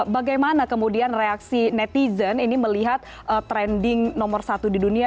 bagaimana kemudian reaksi netizen ini melihat trending nomor satu di dunia